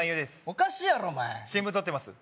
おかしいやろお前新聞とってます？